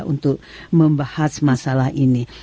untuk membahas masalah ini